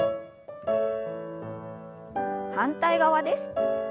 反対側です。